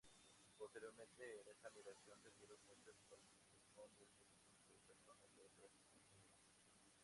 Posteriormente a esa migración se dieron muchos matrimonios mixtos con personas de otras etnias.